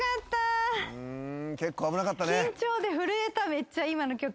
めっちゃ今の曲。